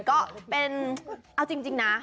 ก็เป็นเอาจริงนะ